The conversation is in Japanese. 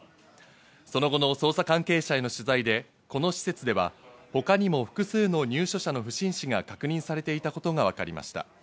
その後の捜査関係者への取材で、この施設では他にも複数の入所者の不審死が確認されていたことがわかりました。